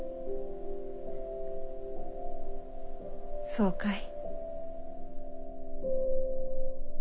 そうかい。